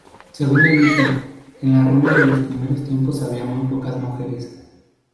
Según el mito, en la Roma de los primeros tiempos había muy pocas mujeres.